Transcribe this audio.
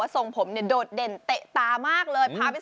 ทรงผมเหรอ